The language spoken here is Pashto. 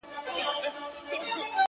چوپه خوله سو له هغې ورځي ګونګی سو!!